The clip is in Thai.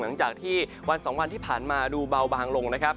หลังจากที่วันสองวันที่ผ่านมาดูเบาบางลงนะครับ